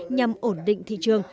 nhằm ổn định thị trường